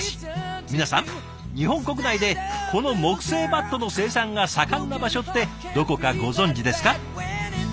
皆さん日本国内でこの木製バットの生産が盛んな場所ってどこかご存じですか？